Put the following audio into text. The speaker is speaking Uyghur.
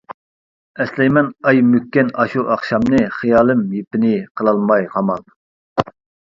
ئەسلەيمەن ئاي مۆككەن ئاشۇ ئاخشامنى، خىيالىم يىپىنى قىلالماي قامال.